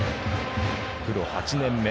プロ８年目。